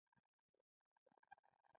اتل بهاري واجپايي د سولې هڅې وکړې.